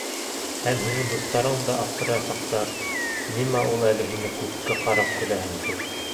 Һәм һинең дуҫтарың да аптыраясаҡтар, нимә ул әле һин күккә ҡарап көләһең тип.